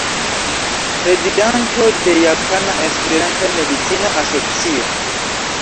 Prezidanto de Japana Esperanta Medicina Asocio.